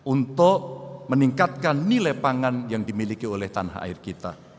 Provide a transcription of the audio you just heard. untuk meningkatkan nilai pangan yang dimiliki oleh tanah air kita